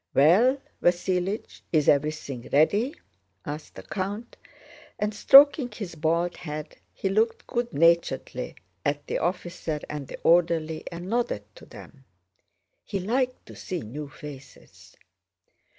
"Well, Vasílich, is everything ready?" asked the count, and stroking his bald head he looked good naturedly at the officer and the orderly and nodded to them. (He liked to see new faces.)